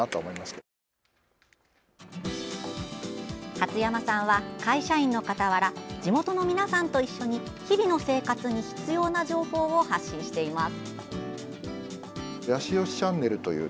初山さんは会社員の傍ら地元の皆さんと一緒に日々の生活に必要な情報を発信しています。